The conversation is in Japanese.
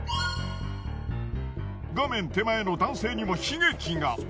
画面手前の男性にも悲劇が。